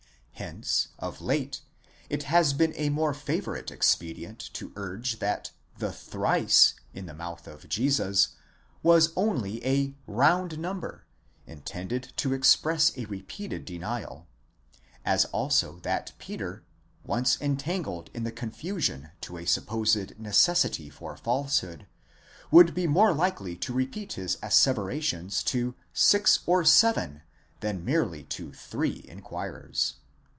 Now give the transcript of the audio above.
Hence of late it has been a more favourite expedient to urge that the ¢Arice τρὶς in the mouth of Jesus was only a round number intended to express a repeated denial, as also that Peter, once entangled in the confusion to a supposed necessity for falsehood, would be more likely to repeat his asseverations to 6 or 7 than merely to three inquirers.